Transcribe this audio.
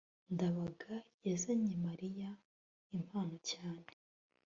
ndabaga yazanye mariya impano cyane